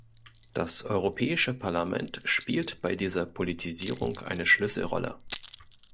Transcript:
Das Europäische Parlament spielt bei dieser Politisierung eine Schlüsselrolle.